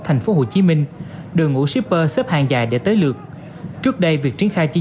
thành phố hồ chí minh đội ngũ shipper xếp hàng dài để tới lượt trước đây việc triển khai chiến